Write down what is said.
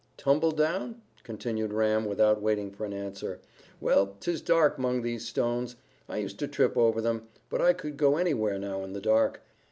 "Tumbled down?" continued Ram without waiting for an answer. "Well, 'tis dark 'mong these stones. I used to trip over them, but I could go anywhere now in the dark.